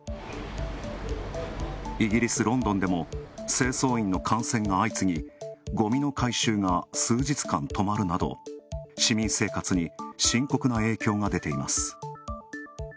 イギリス・ロンドンでも清掃員の感染が相次ぎ、ごみの回収が数日間止まるなど、市民生活に深刻な影響が出ています。